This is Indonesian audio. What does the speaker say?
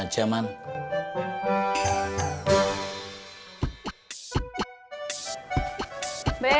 terima kasih pak mbak